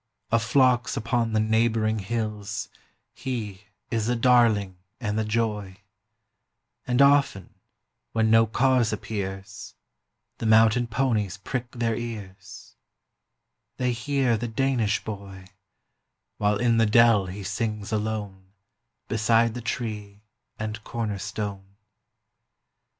Of flocks upon the neighbouring hills He is the darling and the joy; And often, when no cause appears, 40 The mountain ponies prick their ears, They hear the Danish boy, While in the dell he sings alone Beside the tree and corner stone.